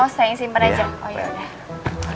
oh saya yang simpan aja